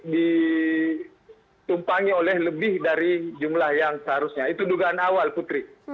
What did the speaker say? ditumpangi oleh lebih dari jumlah yang seharusnya itu dugaan awal putri